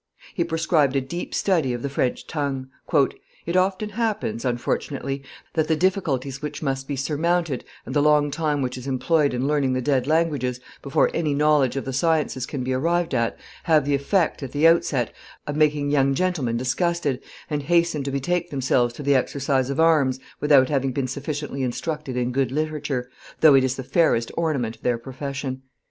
He prescribed a deep study of the French tongue. "It often happens, unfortunately, that the difficulties which must be surmounted and the long time which is employed in learning the dead languages, before any knowledge of the sciences can be arrived at, have the effect, at the outset, of making young gentlemen disgusted and hasten to betake themselves to the exercise of arms without having been sufficiently instructed in good literature, though it is the fairest ornament of their profession.